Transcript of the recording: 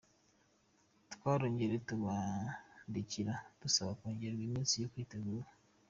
Twarongeye turabandikira dusaba kongererwa iminsi yo kwitegura.